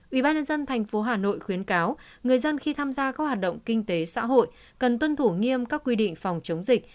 ubnd tp hà nội khuyến cáo người dân khi tham gia các hoạt động kinh tế xã hội cần tuân thủ nghiêm các quy định phòng chống dịch